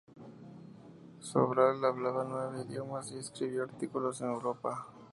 Sobral hablaba nueve idiomas y escribió artículos en Europa.